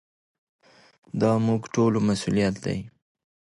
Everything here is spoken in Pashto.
دا زموږ د ټولو مسؤلیت دی.